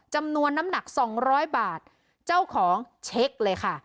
จำนวนน้ำหนักสองร้อยบาทเจ้าของเช็คเลยค่ะ